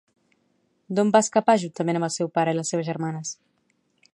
D'on va escapar juntament amb el seu pare i les seves germanes?